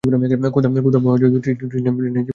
ক্ষুধা এবং তৃষ্ণায় জীবন বের হবার উপক্রম।